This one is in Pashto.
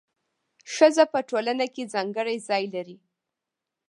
ښځه په ټولنه کي ځانګړی ځای لري.